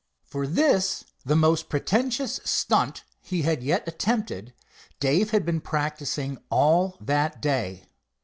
For this, the most pretentious "stunt" he had yet attempted, Dave had been practicing all that day.